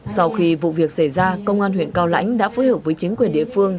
sau khi vụ việc xảy ra công an huyện cao lãnh đã phối hợp với chính quyền địa phương